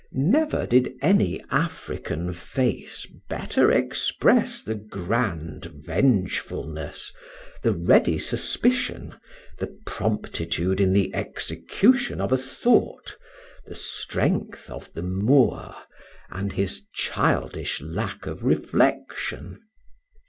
Never did any African face better express the grand vengefulness, the ready suspicion, the promptitude in the execution of a thought, the strength of the Moor, and his childish lack of reflection.